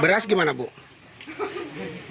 beras kita makan satu liter